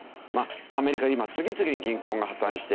アメリカで今次々に銀行が破たんしてる。